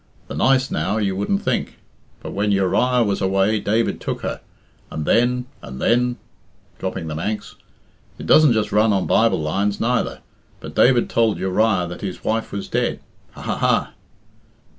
The nice now, you wouldn't think. But when Uriah was away David took her, and then and then" (dropping the Manx) "it doesn't just run on Bible lines neither, but David told Uriah that his wife was dead ha! ha! ha!